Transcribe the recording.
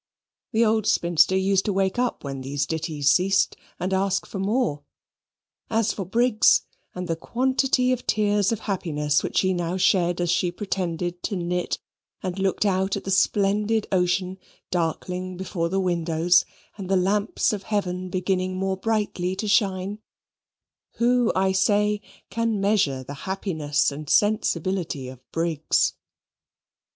The old spinster used to wake up when these ditties ceased, and ask for more. As for Briggs, and the quantity of tears of happiness which she now shed as she pretended to knit, and looked out at the splendid ocean darkling before the windows, and the lamps of heaven beginning more brightly to shine who, I say can measure the happiness and sensibility of Briggs?